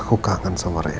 aku kangen sama reina